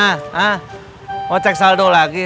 ah mau cek saldo lagi